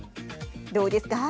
どうですか。